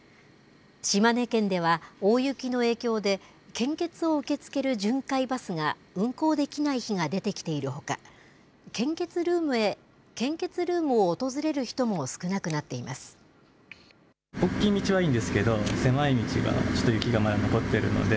島根県では、大雪の影響で、献血を受け付ける巡回バスが運行できない日が出てきているほか、献血ルームを訪れる人も少なくなっています。